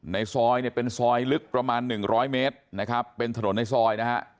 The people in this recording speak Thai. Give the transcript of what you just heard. ในซอยเนี่ยเป็นซอยลึกประมาณหนึ่งร้อยเมตรนะครับเป็นถนนในซอยนะฮะ